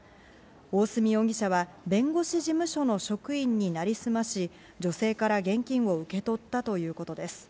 大角容疑者は弁護士事務所の職員になりすまし、女性から現金を受け取ったということです。